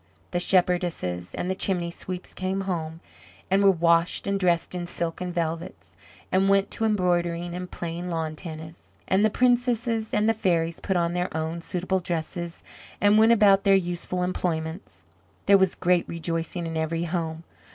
The shepherdesses and the chimney sweeps came home, and were washed and dressed in silks and velvets, and went to embroidering and playing lawn tennis. And the princesses and the fairies put on their own suitable dresses, and went about their useful employments. There was great rejoicing in every home.